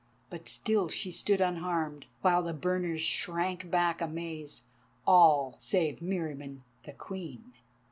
But still she stood unharmed, while the burners shrank back amazed, all save Meriamun the Queen.